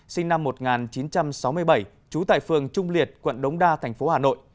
sinh năm một nghìn chín trăm sáu mươi bảy trú tại phường trung liệt quận đống đa thành phố hà nội